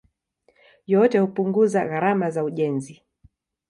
Yote hupunguza gharama za ujenzi.